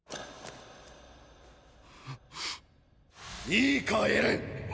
いいかエレン！！